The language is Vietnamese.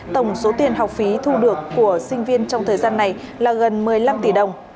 tổng số tiền học phí thu được của sinh viên trong thời gian này là gần một mươi năm tỷ đồng